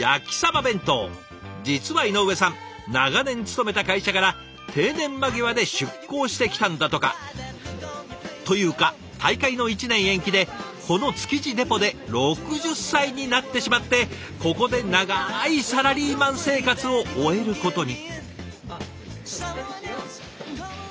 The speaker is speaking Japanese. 実は井上さん長年勤めた会社から定年間際で出向してきたんだとか。というか大会の１年延期でこの築地デポで６０歳になってしまってここで長いサラリーマン生活を終えることに。